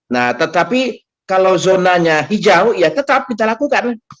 nah tetapi kalau zonanya hijau ya tetap kita lakukan